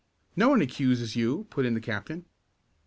"No one accuses you," put in the captain.